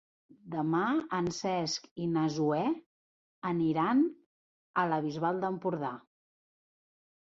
Demà en Cesc i na Zoè aniran a la Bisbal d'Empordà.